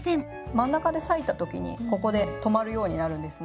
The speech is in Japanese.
真ん中で裂いた時にここで止まるようになるんですね。